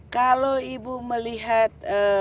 kalau ibu melihat